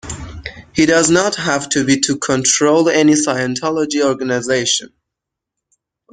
He does not have to be to control any Scientology organization.